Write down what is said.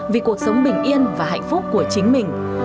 vì cuộc sống bình yên và hạnh phúc của chính mình